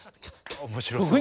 面白そう。